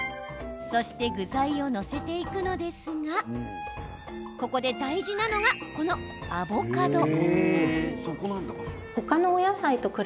そして具材を載せていくのですがここで大事なのが、このアボカド。